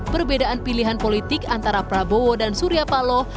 perbedaan pilihan politik antara prabowo dan surya paloh